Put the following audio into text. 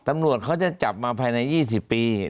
ตำรวจเขาจะจับมาภายใน๒๐ปี